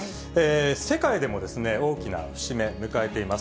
世界でも、大きな節目、迎えています。